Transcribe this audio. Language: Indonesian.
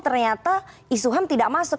ternyata isu ham tidak masuk